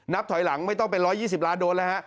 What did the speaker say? ถอยหลังไม่ต้องเป็น๑๒๐ล้านโดนแล้วฮะ